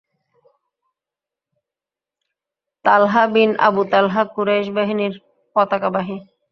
তালহা bin Abu Talha Quraish বাহিনীর পতাকাবাহী।